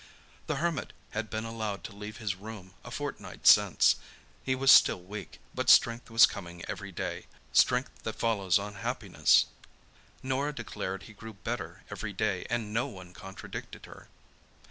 The Hermit had been allowed to leave his room a fortnight since. He was still weak, but strength was coming every day—strength that follows on happiness. Norah declared he grew better every day and no one contradicted her.